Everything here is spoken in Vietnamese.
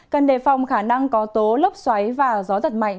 cần đề phòng khả năng có tố lốc xoáy và gió giật mạnh